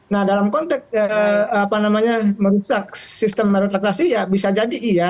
nah dalam konteks merusak sistem merotrasi ya bisa jadi iya